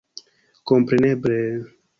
Kompreneble...